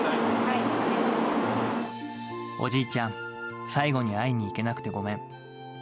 おじいちゃん、最後に会いに行けなくてごめん。